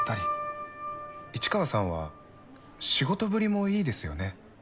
市川さんは仕事ぶりもいいですよね。